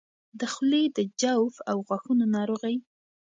د خولې د جوف او غاښونو ناروغۍ